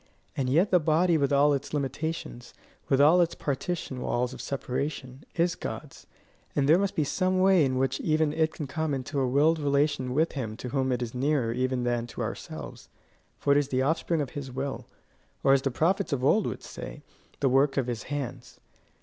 And yet the body with all its limitations, with all its partition walls of separation, is God's, and there must be some way in which even it can come into a willed relation with him to whom it is nearer even than to ourselves, for it is the offspring of his will, or as the prophets of old would say the work of his hands.